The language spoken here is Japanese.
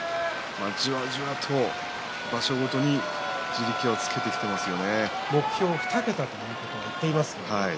じわじわと場所ごとに目標は２桁ということを言っています。